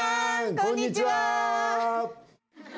こんにちは。